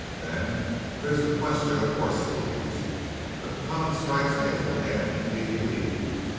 Then there's the question of hoss thieves. McClellan strikes me as a man to be believed.